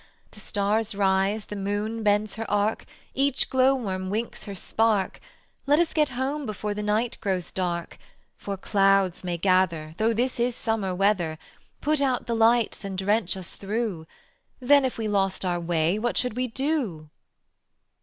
The stars rise, the moon bends her arc, Each glow worm winks her spark, Let us get home before the night grows dark; For clouds may gather Though this is summer weather, Put out the lights and drench us through; Then if we lost our way what should we do?"